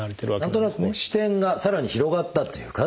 何となく視点がさらに広がったというかね